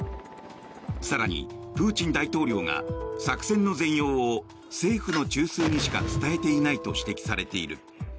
更に、プーチン大統領が作戦の全容を政府の中枢にしか伝えていないと指摘されている。